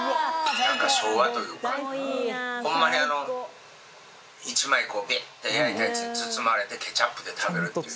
昭和というか、ホンマに１枚、こうベッて焼いたやつに包まれてケチャップで食べるっていう。